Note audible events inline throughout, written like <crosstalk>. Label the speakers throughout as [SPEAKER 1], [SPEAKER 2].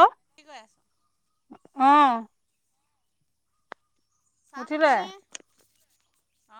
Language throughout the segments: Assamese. [SPEAKER 1] অ'।
[SPEAKER 2] কি কৈ আছ?
[SPEAKER 1] অ'।
[SPEAKER 2] চাহ
[SPEAKER 1] উঠিলে?
[SPEAKER 2] খালেনে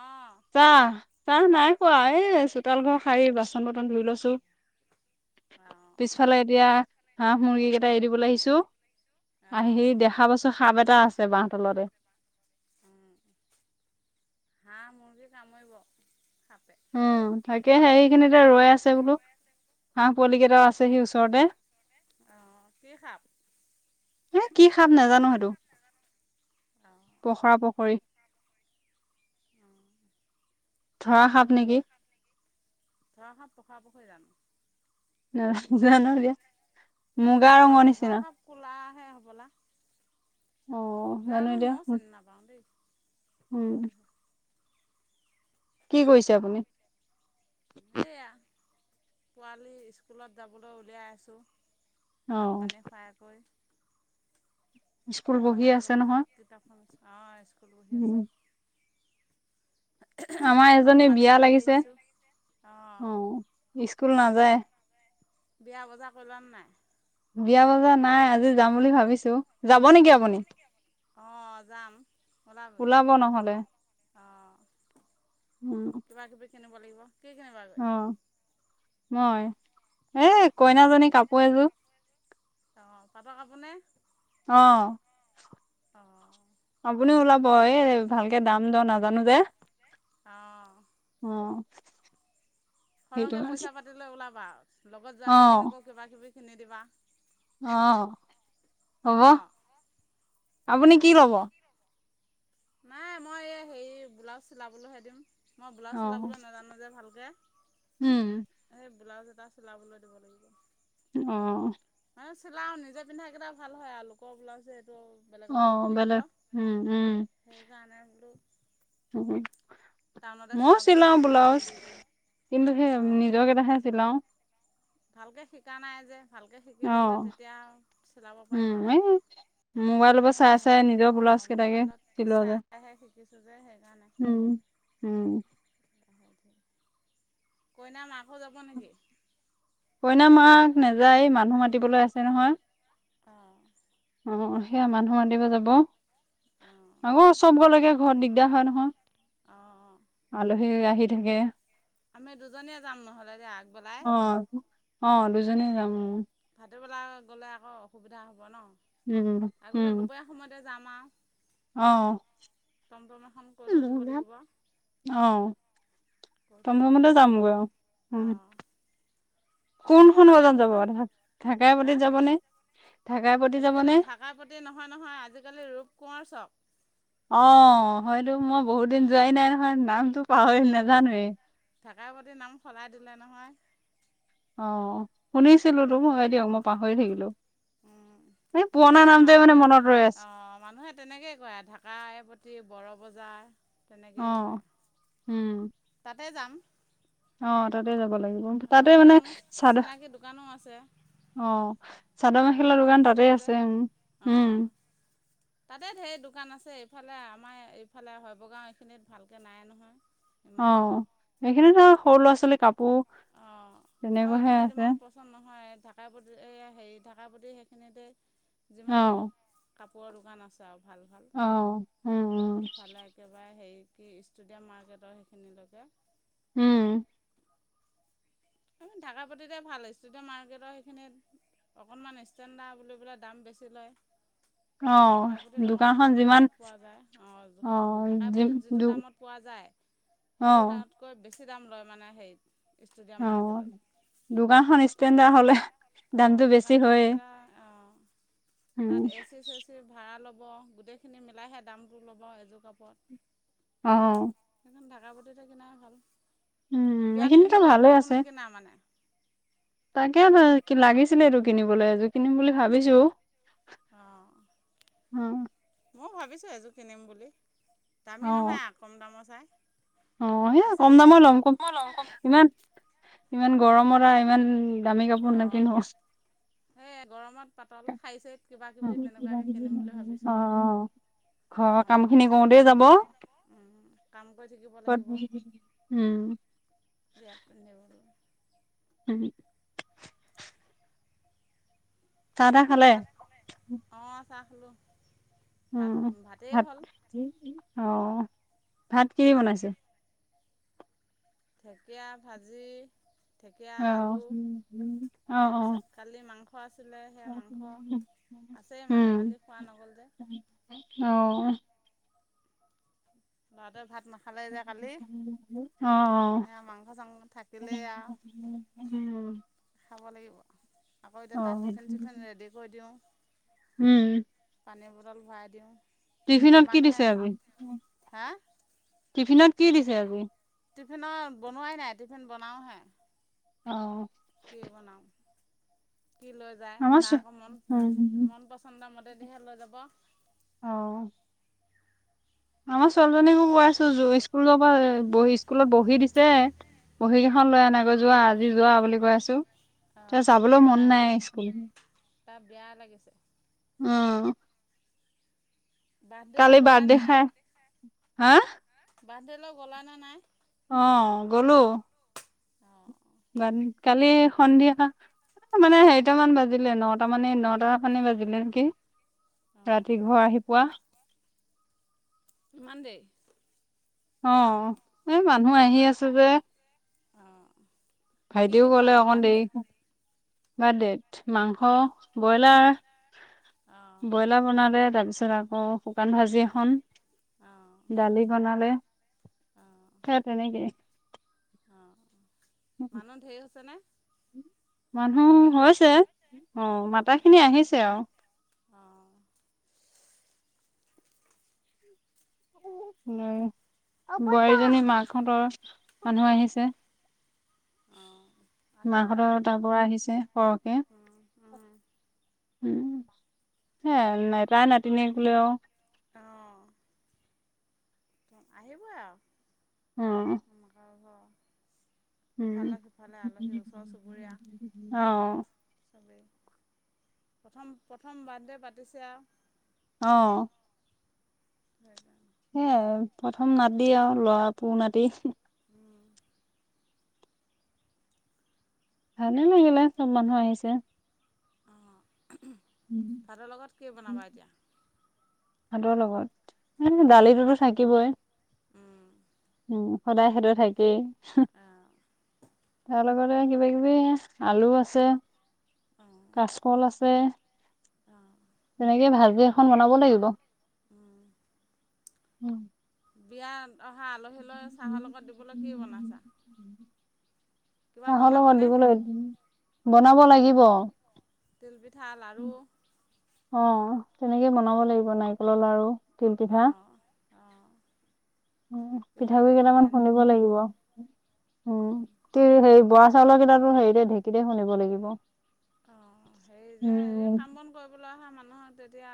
[SPEAKER 2] অ'।
[SPEAKER 1] চাহ, চাহ নাই কোৱা এই চোতাল ঘৰ শাৰি বাচন-বৰ্তন ধুই লৈছো।
[SPEAKER 2] অঁ
[SPEAKER 1] পিছফালে এতিয়া হাঁহ মুৰ্গী কেইটা এৰি দিবলৈ আহিছো
[SPEAKER 2] অঁ
[SPEAKER 1] আহি দেখা পাইছো সাপ এটা আছে বাঁহ তলতে।
[SPEAKER 2] উম, হাঁহ‌, মূৰ্গী কামোৰিব।
[SPEAKER 1] উম, তাকেহে এইখিনিতে ৰৈ আছে বোলো। হাঁহ পোৱালি কেইটাও আছেহি ওচৰতে
[SPEAKER 2] অ', অ', কি সাপ?
[SPEAKER 1] এ কি সাপ নাজানো সেইটো
[SPEAKER 2] অঁ অঁ
[SPEAKER 1] পখৰা-পখৰী। ধৰা সাপ। নেকি
[SPEAKER 2] ধৰা সাপ পখৰা-পখৰী জানো?
[SPEAKER 1] ন জানো এতিয়া। মুগা
[SPEAKER 2] ধ
[SPEAKER 1] ৰঙৰ
[SPEAKER 2] ধৰা
[SPEAKER 1] নিচিনা
[SPEAKER 2] সাপ ক'লাহে হ'বলা।
[SPEAKER 1] অ',
[SPEAKER 2] জানো
[SPEAKER 1] এতিয়া
[SPEAKER 2] মইয়ো চিনি নাপাওঁ
[SPEAKER 1] উম,
[SPEAKER 2] দেই।
[SPEAKER 1] কি কৰিছে আপুনি?
[SPEAKER 2] এইয়া পোৱালি স্কুলত যাবলৈ উলিয়াই আছোঁ। ভাত
[SPEAKER 1] অ',
[SPEAKER 2] পানী খোৱাইকৈ।
[SPEAKER 1] স্কুল বহি
[SPEAKER 2] খাই বৈ
[SPEAKER 1] আছে
[SPEAKER 2] লৈছে
[SPEAKER 1] নহয়
[SPEAKER 2] কিতাপখন, অ স্কুল বহি
[SPEAKER 1] উম,
[SPEAKER 2] আছে।
[SPEAKER 1] আমাৰ
[SPEAKER 2] কাপোৰ
[SPEAKER 1] এজনী
[SPEAKER 2] কানি
[SPEAKER 1] বিয়া
[SPEAKER 2] ধুই
[SPEAKER 1] লাগিছে,
[SPEAKER 2] আহিছোঁ অঁ
[SPEAKER 1] অ স্কুল নাযায়।
[SPEAKER 2] বিয়া বজাৰ কৰিলানে নাই?
[SPEAKER 1] বিয়া বজাৰ নাই আজি যাম বুলি ভাবিছো, যাব নেকি আপুনি?
[SPEAKER 2] অঁ যাম ওলাবই,
[SPEAKER 1] ওলাব নহ'লে
[SPEAKER 2] অঁ।
[SPEAKER 1] উম।
[SPEAKER 2] কিবা কিবি কিনিব লাগিব। কি কিনব?
[SPEAKER 1] অ মই
[SPEAKER 2] অঁ
[SPEAKER 1] এ কইনাজনী কাপোৰ এযোৰ।
[SPEAKER 2] অ পাটৰ কাপোৰ নে?
[SPEAKER 1] অ।
[SPEAKER 2] অ।
[SPEAKER 1] আপুনিও ওলাব এই ভালকে দাম দ নাজানো যে।
[SPEAKER 2] আ
[SPEAKER 1] অ। সেইটো
[SPEAKER 2] সৰহকৈ পইছা পাতি লৈ ওলাবা আৰু লগত
[SPEAKER 1] অ'
[SPEAKER 2] যোৱাকেইজনীকো কিবা কিবি কিনি দিবা।
[SPEAKER 1] অ হ'ব,
[SPEAKER 2] ন
[SPEAKER 1] আপুনি কি ল'ব?
[SPEAKER 2] কি ল'ব? নাই মই এই হেৰি ব্লাউজ চিলাবলৈ হে দিম। মই ব্লাউজ চিলাবলৈ নাজানো যে ভালকে।
[SPEAKER 1] উম
[SPEAKER 2] এই ব্লাউজ এটা চিলাবলৈ দিব লাগিব।
[SPEAKER 1] অহ।
[SPEAKER 2] মানে চিলাওঁ নিজেই পিন্ধাকেইটা ভাল হয় আৰু লোকৰ ব্লাউজযে এইটো
[SPEAKER 1] অ বেলেগ উম উম।
[SPEAKER 2] সেইকাৰণে বোলো
[SPEAKER 1] উম।
[SPEAKER 2] টাউনতে
[SPEAKER 1] ময়ো
[SPEAKER 2] চিলাবলৈ দি
[SPEAKER 1] চিলাও
[SPEAKER 2] থৈ আহিম
[SPEAKER 1] ব্লাউজ কিন্তু সেই নিজৰ কেইটাহে চিলাও।
[SPEAKER 2] ভালকে শিকা নাই যে। ভালকে শিকি ল'লে
[SPEAKER 1] অ'
[SPEAKER 2] তেতিয়া আৰু চিলাব
[SPEAKER 1] উম
[SPEAKER 2] পাৰিম
[SPEAKER 1] এই
[SPEAKER 2] আৰু
[SPEAKER 1] মোবাইলৰ পৰা
[SPEAKER 2] এনেই
[SPEAKER 1] চাই চাই নিজৰ
[SPEAKER 2] মোৰ অ
[SPEAKER 1] ব্লাউজ কেইটাকে
[SPEAKER 2] মোবাইলত
[SPEAKER 1] চিলোৱা যায়।
[SPEAKER 2] চাই পেলাই হে শিকিছোঁ যে সেইকাৰণে।
[SPEAKER 1] উম। উম।
[SPEAKER 2] লাহেকে। কইনা মাকো যাব নেকি?
[SPEAKER 1] কইনা মাক নাযায়, এই মানুহ মাতিবলৈ আছে নহয়।
[SPEAKER 2] অঁ
[SPEAKER 1] অ অ সেয়া মানুহ মাতিব যাব।
[SPEAKER 2] অঁ
[SPEAKER 1] আকৌ চব গলে গে ঘৰত দিগদাৰ হয় নহয়।
[SPEAKER 2] অঁ
[SPEAKER 1] আলহী আহি থাকে।
[SPEAKER 2] আমি দুজনীয়ে যাম নহ'লে দেই আগবেলাই।
[SPEAKER 1] অ অ দুইজনী যাম উম।
[SPEAKER 2] ভাটবেলা গ'লে আকৌ অসুবিধা হ'ব ন
[SPEAKER 1] উম, উম,
[SPEAKER 2] আগবেলা দুপৰীয়া সময়তে যাম আও।
[SPEAKER 1] অ'।
[SPEAKER 2] টমটম এখন কৈ থৈ দিব লাগিব।
[SPEAKER 1] অ',
[SPEAKER 2] কৈ থৈ পেলাই
[SPEAKER 1] টমটমতে
[SPEAKER 2] যাম
[SPEAKER 1] যামগৈ আৰু উম,
[SPEAKER 2] অ।
[SPEAKER 1] কোনখন বজাৰত যাব ঢা ঢেকাৰা
[SPEAKER 2] হা
[SPEAKER 1] পতিত যাবনে? ঢাকাই পতি
[SPEAKER 2] আজিকালি
[SPEAKER 1] যাবনে?
[SPEAKER 2] ঢাকাৰ প্ৰতি নহয় নহয়, আজিকালি ৰূপ কোঁৱৰ চব।
[SPEAKER 1] অ', হয়তো মই বহুত দিন যোৱাই নাই নহয়, নাম
[SPEAKER 2] অ', থাকাই প্ৰতি নাম সলাই দিলে নহয়।
[SPEAKER 1] অ', শুনিছিলোঁটো হয় দিয়ক, মই পাহৰি থাকিলোঁ।
[SPEAKER 2] উম, এ
[SPEAKER 1] মানে
[SPEAKER 2] মানুহে
[SPEAKER 1] মনত ৰৈ আছে
[SPEAKER 2] অ', মানুহে তেনেকৈয়ে কয় ঢাকাই প্ৰতি বৰ বজাৰ।
[SPEAKER 1] অ', উম।
[SPEAKER 2] তাতে যাম।
[SPEAKER 1] অ', তাতে যাব লাগিব, তাতে
[SPEAKER 2] অঁ
[SPEAKER 1] মানে
[SPEAKER 2] তাত মোৰ
[SPEAKER 1] চাদ
[SPEAKER 2] চিনাকি দোকানো আছে
[SPEAKER 1] অ', চাদৰ
[SPEAKER 2] আগতে
[SPEAKER 1] মেখেলা দোকান তাতেই
[SPEAKER 2] কিনিছিলোঁ যে
[SPEAKER 1] আছে, উম উম।
[SPEAKER 2] অঁ তাতে ঢেৰ দোকান আছে, এইফালে আমাৰ এইফালে শৈবগাঁও এইখিনিত ভালকে নাই নহয়। ইমান
[SPEAKER 1] অ', সেইখিনি ন সৰু ল'ৰা ছোৱালীৰ কাপোৰ
[SPEAKER 2] অ', আৰু
[SPEAKER 1] তেনেকুৱাহে
[SPEAKER 2] এইখিনি
[SPEAKER 1] আছে
[SPEAKER 2] যিমান কষ্ট নহয় থাকাই পতি এয়া হেৰি থাকাপতি সেইখিনিতে
[SPEAKER 1] অ
[SPEAKER 2] যিমান কৰ দোকান আছে আৰু ভাল ভাল,
[SPEAKER 1] অ উম উম
[SPEAKER 2] সেইফালে একেবাৰে হেৰি কি ষ্টুডিয়াম মাৰ্কেটৰ সেইখিনিলৈকে
[SPEAKER 1] উম।
[SPEAKER 2] আমি থাকাপতিতে ভাল হৈছে এতিয়া মাৰ্কেটৰ সেইখিনিত অকণমান ষ্টেণ্ডাৰ বুলি পেলাই দাম বেছি লয়।
[SPEAKER 1] অ
[SPEAKER 2] থাকাইপতিত অকণ
[SPEAKER 1] দোকানখন
[SPEAKER 2] কম
[SPEAKER 1] যিমান
[SPEAKER 2] ৰেটত পোৱা যায়, অ', জোখতকৈ,
[SPEAKER 1] যি
[SPEAKER 2] থাকাইপতিত
[SPEAKER 1] দু
[SPEAKER 2] যিটো দামত পোৱা যায়
[SPEAKER 1] অ
[SPEAKER 2] সেইটো দামতকৈ বেছি দাম লয় মানে হেইত ষ্টুডিয়াম
[SPEAKER 1] অ',
[SPEAKER 2] মাৰ্কেটত
[SPEAKER 1] দোকানখন ষ্টেণ্ডাৰ হ'লে
[SPEAKER 2] অঁ
[SPEAKER 1] দামটো
[SPEAKER 2] দোকান
[SPEAKER 1] বেছি
[SPEAKER 2] এখন
[SPEAKER 1] হয়ে।
[SPEAKER 2] ষ্টা অঁ
[SPEAKER 1] উম
[SPEAKER 2] তাত এ চি চেচিৰ ভাড়া ল'ব, গোটেইখিনি মিলাইহে দামটো ল'ব এযোৰ কাপোৰত।
[SPEAKER 1] অ'।
[SPEAKER 2] সেইকাৰণে থাকা পতিতে কিনাই ভাল,
[SPEAKER 1] উম,
[SPEAKER 2] বিয়াত
[SPEAKER 1] এইখিনিতো
[SPEAKER 2] পিন্ধিবলৈ
[SPEAKER 1] ভালে
[SPEAKER 2] কাপোৰ
[SPEAKER 1] আছে।
[SPEAKER 2] নিকিনা মানে
[SPEAKER 1] তাকে ন কি লাগিছিলে এইটো কিনিবলৈ এযোৰ, কিনিম বুলি ভাবিছোঁ।
[SPEAKER 2] অ',
[SPEAKER 1] অ',
[SPEAKER 2] ময়ো ভাবিছোঁ এযোৰ কিনিম বুলি, দামি
[SPEAKER 1] অ',
[SPEAKER 2] নহয় আ কম দামৰ চাই।
[SPEAKER 1] অ', সেয়া কম
[SPEAKER 2] আছেই
[SPEAKER 1] দামৰ ল'ম, কম ইমান-ইমান গৰমত আ ইমান দামী কাপোৰ
[SPEAKER 2] অ',
[SPEAKER 1] নিপিন্ধো।
[SPEAKER 2] সেই গৰমত পাতল শাৰী, চাই কিবা কিবি তেনেকুৱাকে কিনিম বুলি
[SPEAKER 1] অ',
[SPEAKER 2] ভাবিছোঁ।
[SPEAKER 1] অ', ঘৰৰ
[SPEAKER 2] অকণ
[SPEAKER 1] কাম
[SPEAKER 2] ভাল
[SPEAKER 1] খিনি
[SPEAKER 2] চাই
[SPEAKER 1] কৰোঁতে যাব।
[SPEAKER 2] উম কাম কৰি থাকিব
[SPEAKER 1] ক'ত
[SPEAKER 2] লাগিব,
[SPEAKER 1] উম,
[SPEAKER 2] বিয়াত পিন্ধিবলৈ
[SPEAKER 1] উম। চাহ তাহ খালে?
[SPEAKER 2] অ', চাহ খলোঁ,
[SPEAKER 1] উম,
[SPEAKER 2] ভাত-ভাতেই
[SPEAKER 1] ভাত
[SPEAKER 2] হ'ল।
[SPEAKER 1] অ', ভাত কিহে দি বনাইছে?
[SPEAKER 2] ঢেকীয়া ভাজি ঢেকীয়া, আলু
[SPEAKER 1] অ', অ', অ'।
[SPEAKER 2] তাৰপিছত কালিৰ মাংস আছিলে, সেইয়া মাংস আছেই মানে
[SPEAKER 1] উম,
[SPEAKER 2] কালি খোৱা নগ'ল যে।
[SPEAKER 1] অ'।
[SPEAKER 2] ল'ৰাটোৱে ভাত নাখা
[SPEAKER 1] অ',
[SPEAKER 2] সেয়া মাংস চাংস
[SPEAKER 1] অ'।
[SPEAKER 2] থাকিলেই আৰু
[SPEAKER 1] উম।
[SPEAKER 2] খাব লাগিব, আকৌ এতিয়া তাত
[SPEAKER 1] অ',
[SPEAKER 2] টিফিন চিফিন ৰেডি কৰি দিওঁ।
[SPEAKER 1] উম,
[SPEAKER 2] পানীৰ বটল ভৰাই দিওঁ।
[SPEAKER 1] টিফিনত কি
[SPEAKER 2] যিমানহে
[SPEAKER 1] দিছে আজি
[SPEAKER 2] হা
[SPEAKER 1] টিফিনত কি দিছে আজি?
[SPEAKER 2] টিফিনৰ বনোৱাই নাই, টিফিন বনাওঁহে।
[SPEAKER 1] অ'।
[SPEAKER 2] কি বনাও, কি লৈ যায়?
[SPEAKER 1] আমাৰ
[SPEAKER 2] তাৰ
[SPEAKER 1] ছো
[SPEAKER 2] আকৌ মন
[SPEAKER 1] উম,
[SPEAKER 2] মন পচ চন্দমতে দিহে লৈ যাব।
[SPEAKER 1] অ'। আমাৰ ছোৱালীজনীকো কৈ আছো স্কুলৰ পৰা স্কুলত বহি দিছে। বহী কেইখন লৈ আনাগৈ যোৱা আজি যোৱা বুলি কৈ আছো। তাই
[SPEAKER 2] অঁ
[SPEAKER 1] যাবলৈ মন
[SPEAKER 2] নাযায়
[SPEAKER 1] নাই
[SPEAKER 2] মানে
[SPEAKER 1] স্কুল।
[SPEAKER 2] তাৰ বেয়া লাগিছে
[SPEAKER 1] অ'! কালি
[SPEAKER 2] বাৰ্থডেলৈ গ'লা
[SPEAKER 1] বাৰ্থডে
[SPEAKER 2] নে
[SPEAKER 1] খাই
[SPEAKER 2] নাই
[SPEAKER 1] হা
[SPEAKER 2] বাৰ্থডেলৈ গ'লা নে নাই?
[SPEAKER 1] অ' গ'লো।
[SPEAKER 2] অঁ।
[SPEAKER 1] কালি সন্ধিয়া। মানে হেৰিটা মান বাজিলে নটা মানে নটা মানে বাজিলে নেকি।
[SPEAKER 2] অঁ
[SPEAKER 1] ৰাতি, ঘৰ আহি পুৱা।
[SPEAKER 2] ইমান দেৰি।
[SPEAKER 1] অ' এ মানুহ আহি আছে যে।
[SPEAKER 2] অঁ। কি
[SPEAKER 1] ভাইটিও
[SPEAKER 2] কি
[SPEAKER 1] ক'লে
[SPEAKER 2] খোৱালে
[SPEAKER 1] অকণ
[SPEAKER 2] বাৰ্থডে
[SPEAKER 1] দেৰি। বাদ দে! মাংস
[SPEAKER 2] অঁ
[SPEAKER 1] ব্ৰইলাৰ,
[SPEAKER 2] অঁ
[SPEAKER 1] বয়লাৰ বনালে তাৰপিছত আ অ' শুকান ভাজি এখন,
[SPEAKER 2] অঁ
[SPEAKER 1] দালি বনালে।
[SPEAKER 2] অঁ
[SPEAKER 1] সেই তেনেকেই।
[SPEAKER 2] অঁ মানুহ ধেৰ হৈছেনে?
[SPEAKER 1] মানুহ
[SPEAKER 2] আলহী
[SPEAKER 1] হৈছে, অ' মাতা
[SPEAKER 2] অঁ
[SPEAKER 1] খিনি আহিছে আও।
[SPEAKER 2] অঁ।
[SPEAKER 1] উম, বোৱাৰীজনী মাকহঁতৰ মানুহ আহিছে।
[SPEAKER 2] অঁ। আহিব আৰু
[SPEAKER 1] মাকহঁতৰ তাৰ পৰা আহিছে সৰহকে।
[SPEAKER 2] উম, উম,
[SPEAKER 1] উম, সে তাই নাতিনিয়েক বুলি আও।
[SPEAKER 2] অঁ। আহিবই আও।
[SPEAKER 1] উম উম
[SPEAKER 2] ইফালে-সিফালে আলহী, ওচৰ-চুবুৰীয়া।
[SPEAKER 1] অ
[SPEAKER 2] চবেই! প্ৰথম প্ৰথম বাৰ্থডে পাতিছে আও।
[SPEAKER 1] অ'।
[SPEAKER 2] <unintelligible>
[SPEAKER 1] সেইয়া প্ৰথম নাতি আৰু ল'ৰা পু নাতি।
[SPEAKER 2] উম।
[SPEAKER 1] ভালে লাগিলে চব মানুহ আহিছে।
[SPEAKER 2] অঁ, ভাতৰ লগত কি বনাবা এতিয়া?
[SPEAKER 1] ভাতৰ লগত এ দালিটোতো থাকিবই।
[SPEAKER 2] উম,
[SPEAKER 1] উম, সদায় সেইটো থাকেই।
[SPEAKER 2] আহ।
[SPEAKER 1] তাৰ লগতে কিবা-কিবি আলু আছে, কাচকল আছে।
[SPEAKER 2] অ'।
[SPEAKER 1] হেনেকেই ভাজি এখন বনাব লাগিব।
[SPEAKER 2] বিয়াত অহা আলহীলৈ চাহৰ লগত দিবলৈ কি বনাইছা? কিবা
[SPEAKER 1] চাহৰ লগত
[SPEAKER 2] বনাবানে?
[SPEAKER 1] দিবলৈ, বনাব লাগিব।
[SPEAKER 2] তিলপিঠা, লাৰু
[SPEAKER 1] অ' তেনেকে বনাব লাগিব নাৰিকলৰ লাৰু। তিল পিঠা
[SPEAKER 2] অ', অ'।
[SPEAKER 1] উম পিঠাগুৰি কেইটামান খুন্দিব লাগিব, উম। <unintelligible> হেৰি বৰা চাউলৰ কেইটাতো হেৰিতে, ঢেঁকীতে খুন্দিব লাগিব।
[SPEAKER 2] অ' হেৰি যে
[SPEAKER 1] উম
[SPEAKER 2] এই কাম বন কৰিবলৈ অহা মানুহক তেতিয়া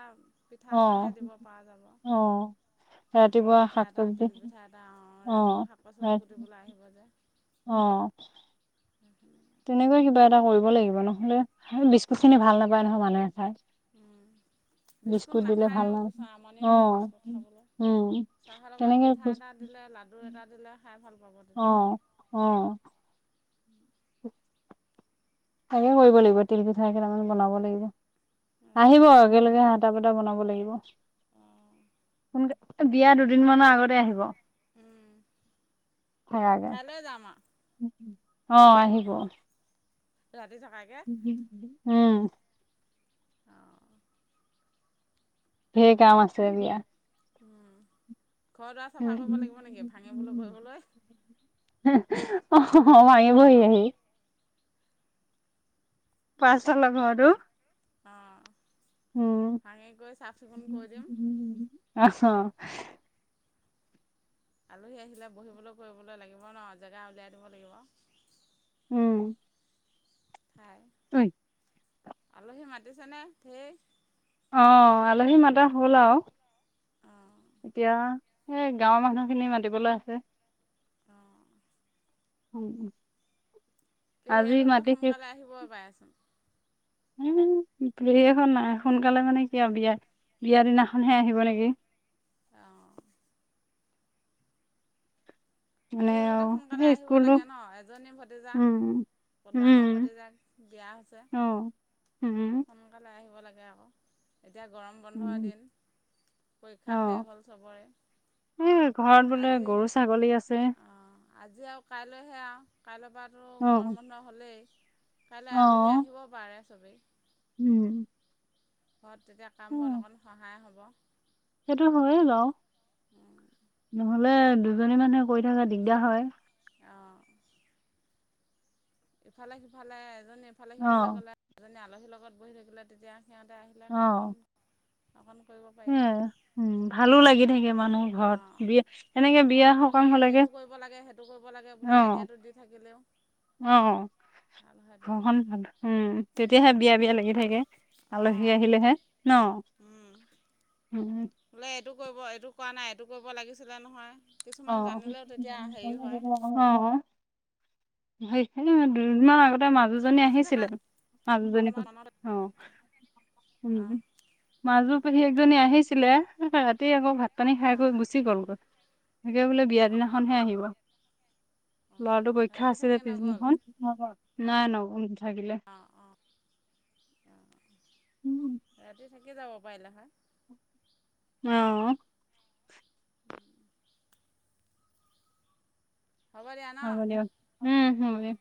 [SPEAKER 2] পিঠা চাহে
[SPEAKER 1] অ',
[SPEAKER 2] দিব পৰা
[SPEAKER 1] অ',
[SPEAKER 2] যাব।
[SPEAKER 1] ৰাতিপুৱা
[SPEAKER 2] বৰপিঠা
[SPEAKER 1] শাক
[SPEAKER 2] এটা,
[SPEAKER 1] চবজি
[SPEAKER 2] তিলপিঠা এটা
[SPEAKER 1] অ',
[SPEAKER 2] ৰাতিপুৱা শাক
[SPEAKER 1] ৰা
[SPEAKER 2] পাচলি কুটিবলে আহিব যে।
[SPEAKER 1] অ'।
[SPEAKER 2] <unintelligible>
[SPEAKER 1] তেনেকুৱাই কিবা এটা কৰিব লাগিব নহ'লে বিস্কুট খিনি ভাল নাপায় নহয় মানুহে খাই।
[SPEAKER 2] উম। বিস্কুট
[SPEAKER 1] দিলে ভাল
[SPEAKER 2] নাখায়ও
[SPEAKER 1] না
[SPEAKER 2] কিছু আমনি পায়
[SPEAKER 1] অ',
[SPEAKER 2] বিস্কুট খাবলৈ।
[SPEAKER 1] উম,
[SPEAKER 2] চাহৰ লগত
[SPEAKER 1] তেনেকে
[SPEAKER 2] পিঠা এটা দিলে লাডু এটা দিলে, খাই ভাল পাব তেতিয়া।
[SPEAKER 1] অ', অ'। <inaudible> তাকেই কৰিব লাগিব, তিলপিঠা কেইটামানে বনাব লাগিব,
[SPEAKER 2] তেতিয়া
[SPEAKER 1] আহিব একেলগে হাত <unintelligible> বনাব লাগিব।
[SPEAKER 2] উম,
[SPEAKER 1] সোনকা, বিয়া দুদিন মানৰ আগতে আহিব। থাকাকে,
[SPEAKER 2] কাইলৈ যাম
[SPEAKER 1] অ', আহিব।
[SPEAKER 2] ৰাতি থকাকে।
[SPEAKER 1] উম।
[SPEAKER 2] অ'।
[SPEAKER 1] ধেৰ কাম আছে বিয়াত।
[SPEAKER 2] উম, ঘৰ দুৱাৰ চাফা
[SPEAKER 1] উম,
[SPEAKER 2] কৰিব লাগিব নেকি? ভাঙিবলৈ কৰিবলৈ।
[SPEAKER 1] অ', ভাঙিবহি আহি। পাছফালৰ ঘৰটো।
[SPEAKER 2] অ',
[SPEAKER 1] উম।
[SPEAKER 2] ভাঙি কৰি চাফ চিকুণ কৰি দিম।
[SPEAKER 1] <unintelligible>
[SPEAKER 2] আলহী আহিলে বহিবলৈ কৰিবলৈ লাগিব ন, জেগা উলিয়াই দিব লাগিব।
[SPEAKER 1] উম।
[SPEAKER 2] হয়।
[SPEAKER 1] অই
[SPEAKER 2] আলহী মাতিছেনে ঢেৰ?
[SPEAKER 1] অ', আলহী মাতা হ'ল আৰু।
[SPEAKER 2] অ'।
[SPEAKER 1] এতিয়া এই গাঁৱৰ মানুহখিনি মাতিবলৈ আছে।
[SPEAKER 2] অ'।
[SPEAKER 1] উম, উম।
[SPEAKER 2] পেহীয়েকহঁতে সোনকালে আহিবই পাৰেচোন।
[SPEAKER 1] উম, <unintelligible> নাই সোনকালে মানে কি আৰু? বিয়া, বিয়া দিনাখনহে আহিব নেকি?
[SPEAKER 2] অ'।
[SPEAKER 1] মানে
[SPEAKER 2] পেহীয়েকহঁতে
[SPEAKER 1] আৰু
[SPEAKER 2] সোনকালে
[SPEAKER 1] এই
[SPEAKER 2] আহিব
[SPEAKER 1] স্কুলো
[SPEAKER 2] লাগে ন, এজনীয়েই
[SPEAKER 1] উম
[SPEAKER 2] ভতিজাক। ডাঙৰ
[SPEAKER 1] উম
[SPEAKER 2] ভতিজাক বিয়া হৈছে।
[SPEAKER 1] অ উম।
[SPEAKER 2] সোনকালে আহিব লাগে আকৌ। এতিয়া গৰম বন্ধৰ
[SPEAKER 1] উম
[SPEAKER 2] দিন,
[SPEAKER 1] অ
[SPEAKER 2] পৰীক্ষা শেষ হ'ল চবৰে।
[SPEAKER 1] এই ঘৰত বোলে গৰু ছাগলী আছে।
[SPEAKER 2] অ', আজি আৰু কাইলৈহে আৰু, কাইলৈৰ পৰাতো
[SPEAKER 1] অ
[SPEAKER 2] গৰম বন্ধ হ'লেই। কাইলৈ
[SPEAKER 1] অ
[SPEAKER 2] আবেলি আহিব পাৰে চবেই।
[SPEAKER 1] উম।
[SPEAKER 2] ঘৰত তেতিয়া কাম
[SPEAKER 1] উম
[SPEAKER 2] বন অকণ সহায় হ'ব।
[SPEAKER 1] সেইটো হয়েই বাওঁ, নহ'লে দুজনী মানুহে কৰি থকা দিগদাৰ হয়।
[SPEAKER 2] অ'। ইফালে সিফালে, এজনী ইফালে
[SPEAKER 1] অ
[SPEAKER 2] সিফালে গ'লে, এজনী আলহীৰ লগত বহি থাকিলে, তেতিয়া সিহঁতে আহি কাম -বন অকন কৰিব পা
[SPEAKER 1] সেইয়াই, উম, ভালো লাগি থাকে মানুহ ঘৰত,
[SPEAKER 2] অঁ
[SPEAKER 1] বি
[SPEAKER 2] কাম বন নকৰিলেও, এইটো কৰিব লাগে সেইটো কৰিব লাগে
[SPEAKER 1] অ
[SPEAKER 2] বুলি আইডিয়াটো দি থাকিলেও
[SPEAKER 1] অ',
[SPEAKER 2] ভাল হয় তেতিয়া
[SPEAKER 1] ঘৰখন উম। তেতিয়াহে বিয়া বিয়া লাগি থাকে,
[SPEAKER 2] অঁ
[SPEAKER 1] আলহী আহিলেহে ন'।
[SPEAKER 2] অঁ
[SPEAKER 1] উম।
[SPEAKER 2] বোলে এইটো কৰিব এইটো কৰা নাই এইটো কৰিব লাগিছিলে নহয়
[SPEAKER 1] অ
[SPEAKER 2] কিছুমান জানিলেও তেতিয়া হেৰি হয়।
[SPEAKER 1] অ সেই দুদিনমান আগতে মাজু জনী
[SPEAKER 2] থকা
[SPEAKER 1] আহিছিলে মানুহজনী
[SPEAKER 2] সময়ত মনত
[SPEAKER 1] অ। উম
[SPEAKER 2] অঁ
[SPEAKER 1] মাজো পহীয়েএক জনী আহিছিলে। ৰাতি আকৌ ভাত পানী খাই
[SPEAKER 2] অঁ
[SPEAKER 1] গৈ গুচি গ'ল গৈ। বিয়া
[SPEAKER 2] অঁ
[SPEAKER 1] দিনাখনহে আহিব
[SPEAKER 2] অঁ
[SPEAKER 1] ল'ৰাটোৰ পৰীক্ষা
[SPEAKER 2] ৰাতি থাকি
[SPEAKER 1] আছিলে
[SPEAKER 2] নগ'ল
[SPEAKER 1] পিছদিনাখন। নাই নগল নাথাকিলে।
[SPEAKER 2] অঁ অঁ অঁ ৰাতি থাকি যাব পাৰিলে হয়।
[SPEAKER 1] আ।
[SPEAKER 2] <unintelligible> দিয়া
[SPEAKER 1] হ'ব
[SPEAKER 2] ন
[SPEAKER 1] দিয়ক উম হ'ব দিয়ক।